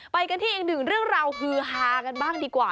ไปกันที่อีกหนึ่งเรื่องราวฮือฮากันบ้างดีกว่า